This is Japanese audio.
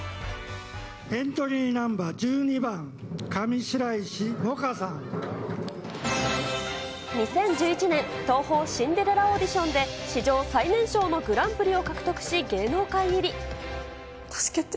エントリーナンバー１２番、２０１１年、東宝シンデレラオーディションで史上最年少のグランプリを獲得し、助けて。